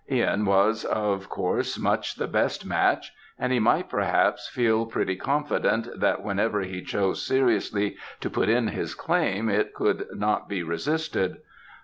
Ihan was, of course, much the best match; and he might, perhaps, feel pretty confident that whenever he chose seriously to put in his claim, it could not be resisted.